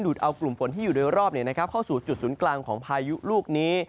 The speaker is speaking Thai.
ดเอากลุ่มฝนที่อยู่โดยรอบเข้าสู่จุดศูนย์กลางของพายุลูกนี้